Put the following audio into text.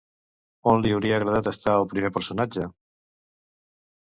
On li hauria agradat estar al primer personatge?